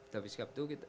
dafiskap itu bayar